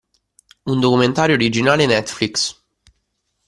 Un documentario originale netflix.